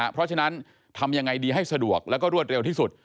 เพราะฉะนั้นทำยังไงดีให้สะดวกแล้วก็รวดเร็วที่สุด